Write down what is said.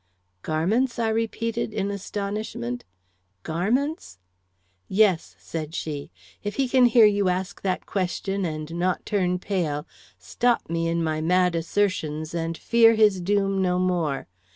"Garments?" I repeated, in astonishment; "garments?" "Yes," said she. "If he can hear you ask that question and not turn pale, stop me in my mad assertions, and fear his doom no more.